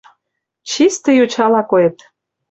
Чисте йочала койыт.